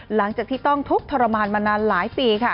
หลังจากที่ต้องทุกข์ทรมานมานานหลายปีค่ะ